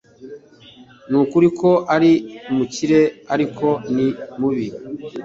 Nukuri ko ari umukire, ariko ni mubi.